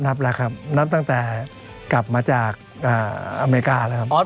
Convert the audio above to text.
รับแล้วครับนับตั้งแต่กลับมาจากอเมริกาแล้วครับ